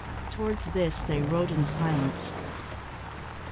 Towards this they rode in silence.